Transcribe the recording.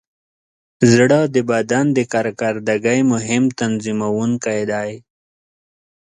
زړه د بدن د کارکردګۍ مهم تنظیموونکی دی.